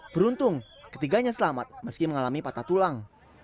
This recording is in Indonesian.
beruntung ketiganya selamat meski mengalami patah tulang